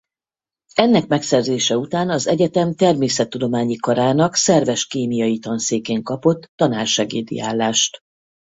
Ennek megszerzése után az egyetem Természettudományi Karának szerves kémiai tanszékén kapott tanársegédi állást.